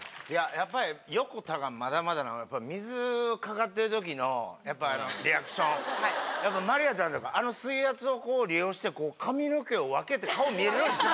やっぱり横田がまだまだなのは水かかってるときのやっぱりリアクションまりあちゃんってあの水圧をこう利用して髪の毛を分けて顔見えるようにしてましたから。